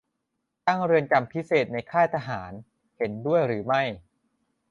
ตั้งเรือนจำพิเศษในค่ายทหาร เห็นด้วยหรือไม่ ?